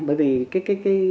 bởi vì cái cái cái